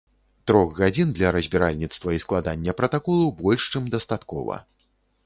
Трох гадзін для разбіральніцтва і складання пратаколу больш чым дастаткова.